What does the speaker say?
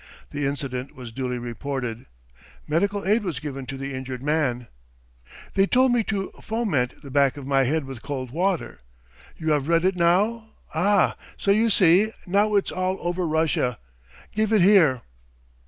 The incident was duly reported. Medical aid was given to the injured man. ..." "They told me to foment the back of my head with cold water. You have read it now? Ah! So you see. Now it's all over Russia! Give it here!"